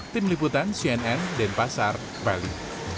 tim liputan cnn denpasar bali